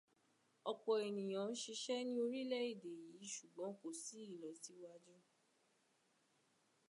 Ọ̀pọ̀ ènìyàn ṣiṣẹ́ ní orílẹ̀ èdè yìí ṣùgbọ́n kò sí ilọ̀síwájú.